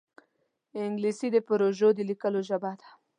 انګلیسي د پروژو د لیکلو ژبه ده